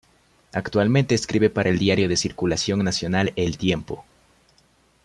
Actualmente escribe para el diario de circulación nacional El Tiempo.